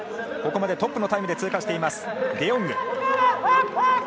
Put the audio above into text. ここまでトップのタイムで通過しています、デ・ヨング。